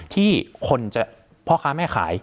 ที่คนจะพ่อค้าแม่ขาย